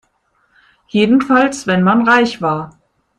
Jedenfalls wenn man reich war.